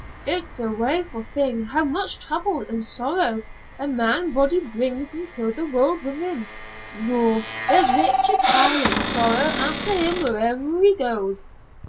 "It's a waefu' thing how much trouble an' sorrow a man body brings intil the world wi' him. Noo there's Richard, trailin' sorrow after him whaurever he goes."